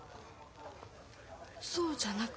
そうじゃなくて。